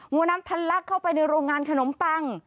วนน้ำทันลักเข้าไปในโรงงานขนมปัง